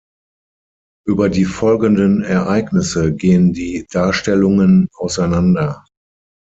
Über die folgenden Ereignisse gehen die Darstellungen auseinander.